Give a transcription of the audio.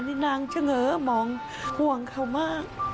นี่นางเฉงอมองห่วงเขามาก